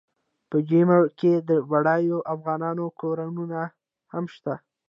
په جمیره کې د بډایو افغانانو کورونه هم شته.